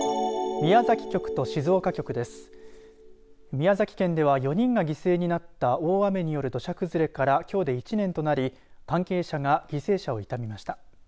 宮崎県では４人が犠牲になった大雨による土砂崩れからきょうで１年となり関係者が犠牲者を悼みました。